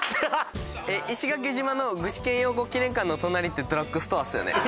石垣島の具志堅用高記念館の隣ってドラッグストアっすよね。